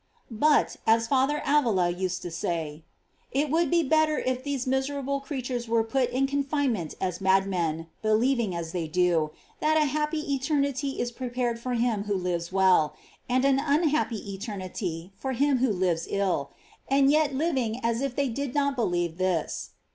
But, as Father Avila used to say: It would be better if these miserable creatures were put in confinement as madmen, believing as they do, that a happy eternity is prepared for him who lives well, and an unhappy eternity for him who lives ill, and yet living as if they did not believe this.